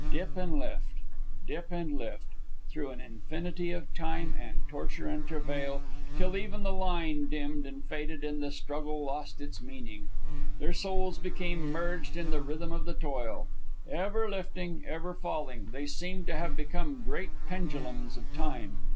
Dip and lift, dip and lift, through an infinity of time and torture and travail, till even the line dimmed and faded and the struggle lost its meaning. Their souls became merged in the rhythm of the toil. Ever lifting, ever falling, they seemed to have become great pendulums of time.